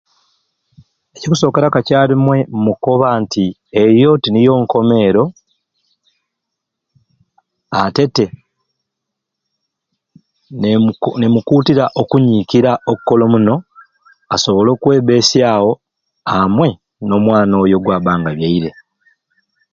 Ekikusokera kakyarumwei mukoba eyo teniyo nkomero ate te nemu nemukutira okunyikira okola omuno asobole okwebesyawo amwei nomwana oyo kwaba nga abyere